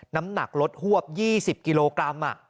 น้ำหนักลดหวบ๒๐กิโลกรัม